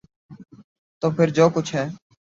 تو پھر جو کچھ ہے۔